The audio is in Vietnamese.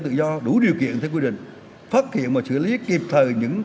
trung ương thủ tướng và quốc hội quyết định